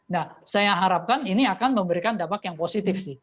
nah saya harapkan ini akan memberikan dampak yang positif sih